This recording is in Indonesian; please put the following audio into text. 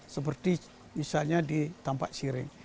seperti misalnya di tampak siring